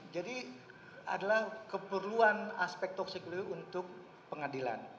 jadi adalah keperluan aspek toksikologi untuk pengadilan